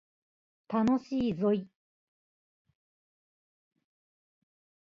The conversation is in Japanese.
楽しいぞい